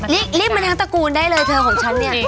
รีบมาทั้งตระกูลได้เลยเธอของฉันเนี่ย